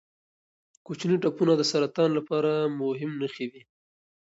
کوچني ټپونه د سرطان لپاره مهم نښې دي.